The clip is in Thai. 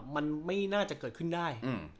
มันไม่น่าจะเกิดขึ้นได้